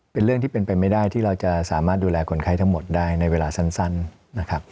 เป็นเรื่องที่เป็นไปไม่ได้ที่เราจะสามารถดูแลคนไข้ทั้งหมดได้ในเวลาสั้นนะครับ